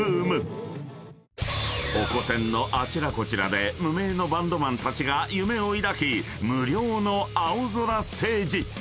［ホコ天のあちらこちらで無名のバンドマンたちが夢を抱き無料の青空ステージ］